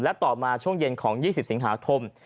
และต่อมาช่วงเย็นของ๒๐สิงหาคม